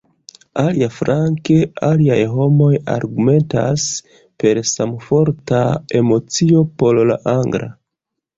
Aliaflanke, aliaj homoj argumentas, per samforta emocio, por la angla.